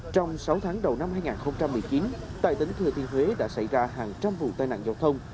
trong sáu tháng đầu năm hai nghìn một mươi chín tại tỉnh thừa thiên huế đã xảy ra hàng trăm vụ tai nạn giao thông